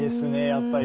やっぱり。